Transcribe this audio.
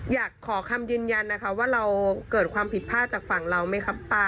อยากขอคำยืนยันนะคะว่าเราเกิดความผิดพลาดจากฝั่งเราไหมครับป้า